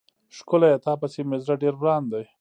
ښکليه تا پسې مې زړه ډير وران دی.